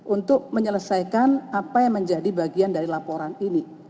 untuk menyelesaikan apa yang menjadi bagian dari laporan ini